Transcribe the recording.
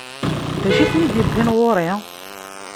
D acu i ten-id-iwwin ɣur-i?